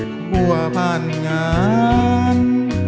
ทั่วบ้านงาน